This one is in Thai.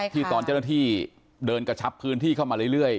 ตอนเจ้าหน้าที่เดินกระชับพื้นที่เข้ามาเรื่อย